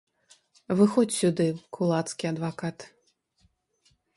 Выходзь сюды, кулацкі адвакат!